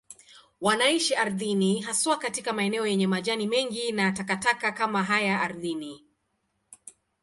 Wanaishi ardhini, haswa katika maeneo yenye majani mengi na takataka kama haya ardhini.